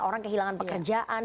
orang kehilangan pekerjaan